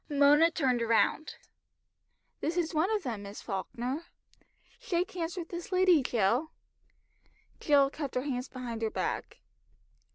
Mona turned round. "This is one of them, Miss Falkner. Shake hands with this lady, Jill." Jill kept her hands behind her back.